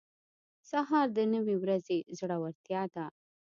سهار د نوې ورځې زړورتیا ده.